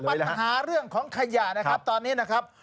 ปัญหาเรื่องของขยะนะครับตอนนี้นะครับ